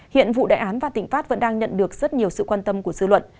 hiện vụ đại án và tỉnh phát vẫn đang nhận được rất nhiều sự quan tâm của dư luận